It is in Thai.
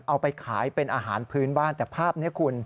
เอาไปขายเป็นอาหารพื้นบ้านแต่ภาพนี้คุณ